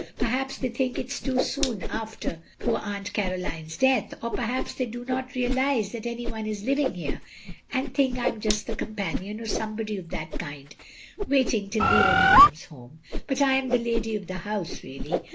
Perhaps they think it too soon after poor Aunt Caroline's death; or perhaps they do not realise that any one is living here, and think I am just the companion, or some body of that kind, waiting till the owner comes home. But I am the lady of the house really.